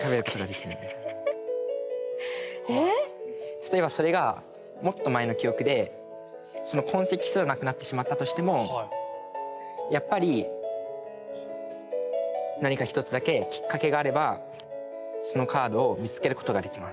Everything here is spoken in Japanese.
例えばそれがもっと前の記憶でその痕跡すらなくなってしまったとしてもやっぱり何か１つだけきっかけがあればそのカードを見つけることができます。